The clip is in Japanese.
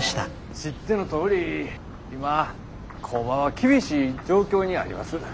知ってのとおり今工場は厳しい状況にあります。